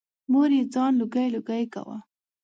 مور یې ځان لوګی لوګی کاوه.